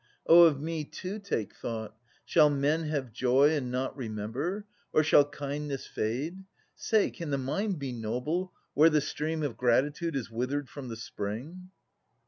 Oh, of me too take thought ! Shall men have joy. And not remember ? Or shall kindness fade ? Say, can the mind be noble, where the stream Of gratitude is withered from the spring